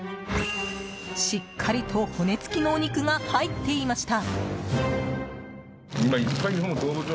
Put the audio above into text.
しっかりと骨付きのお肉が入っていました。